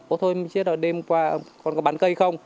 ồ thôi chết rồi đêm qua con có bán cây không